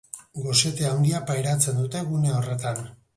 Gosete handia pairatzen dute gune horretan.